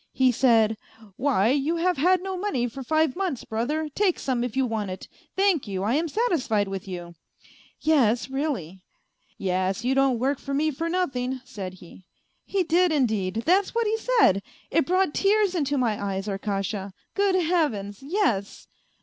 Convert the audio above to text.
He said :' Why, you have had no money for five months, brother, take some if you want it ; thank you, I am satisfied with you.' ... Yes, really !' Yes, you don't work for me for nothing,' said he. He did, indeed, that's what he said. It brought tears into my eyes, Arkasha. Good Heavens, yes